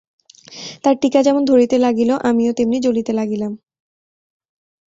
তার টিকা যেমন ধরিতে লাগিল আমিও তেমনি জ্বলিতে লাগিলাম।